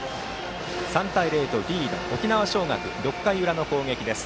３対０とリードしている沖縄尚学の６回裏の攻撃です。